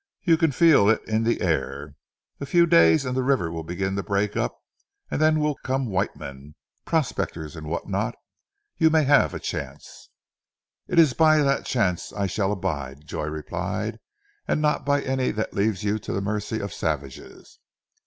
You can feel it in the air. A few days and the river will begin to break up, and then will come white men, prospectors and what not. You may have a chance." "It is by that chance I shall abide," Joy replied, "and not by any that leaves you to the mercy of savages."